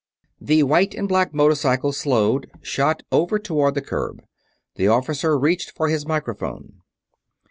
The white and black motorcycle slowed; shot over toward the curb. The officer reached for his microphone.